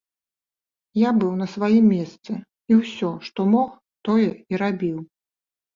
Я быў на сваім месцы, і ўсё, што мог, тое і рабіў.